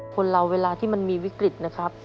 คนเราเวลาที่มันมีวิกฤตนะครับ